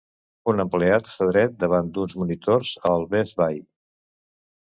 Un empleat està dret davant d'uns monitors al Best Buy.